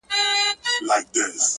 شپه كي هم خوب نه راځي جانه زما”